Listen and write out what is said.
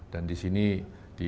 dan disini di